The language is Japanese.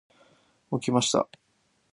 起きました。